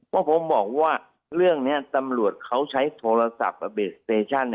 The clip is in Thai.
เพราะผมบอกว่าเรื่องนี้ตำรวจเขาใช้โทรศัพท์อเบสเตชั่น